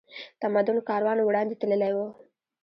تمدن کاروان وړاندې تللی و